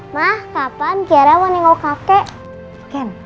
mah kapan kiara mau nengokin kakek